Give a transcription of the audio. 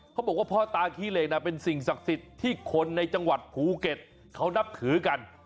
เขาบอกว่าพ่อตาขี้เหล็กนะเป็นสิ่งศักดิ์สิทธิ์ที่คนในจังหวัดภูเก็ตเขานับถือกัน